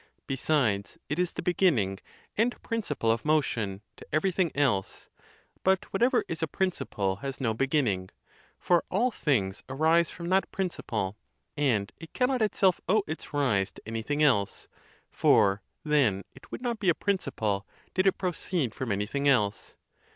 Besides, it is the beginning and principle of motion to everything else; but whatever is a principle has no beginning, for all things arise from that principle, and it cannot itself owe its rise to anything else; for then it would not be a principle did it proceed from anything else.